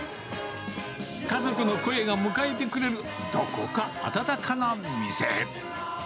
家族の声が迎えてくれるどこか温かな店。